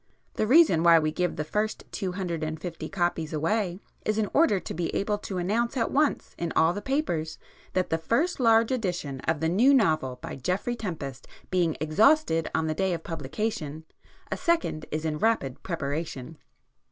The reason why we give the first two hundred and fifty copies away is in order to be able to announce at once in all the papers that 'The First Large Edition of the New Novel by Geoffrey Tempest being exhausted on the day of publication, a Second is in Rapid Preparation.